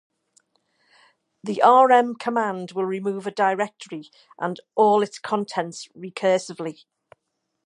The rm command will remove a directory and all its contents recursively.